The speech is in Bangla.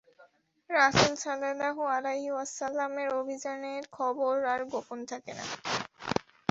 রাসূল সাল্লাল্লাহু আলাইহি ওয়াসাল্লাম-এর অভিযানের খবর আর গোপন থাকে না।